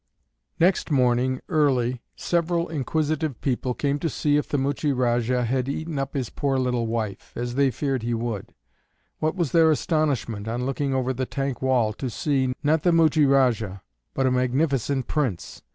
Next morning early several inquisitive people came to see if the Muchie Rajah had eaten up his poor little wife, as they feared he would; what was their astonishment, on looking over the tank wall, to see, not the Muchie Rajah, but a magnificent Prince!